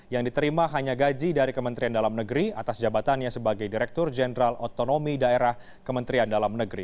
yang diterima hanya gaji dari kementerian dalam negeri atas jabatannya sebagai direktur jenderal otonomi daerah kementerian dalam negeri